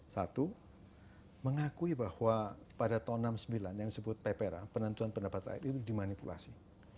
satu mengakui bahwa pada tahun seribu sembilan ratus enam puluh sembilan yang disebut peperang penentuan pendapat rakyat itu dimanipulasi